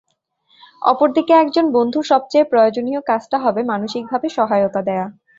অপর দিকে একজন বন্ধুর সবচেয়ে প্রয়োজনীয় কাজটা হবে মানসিকভাবে সহায়তা দেওয়া।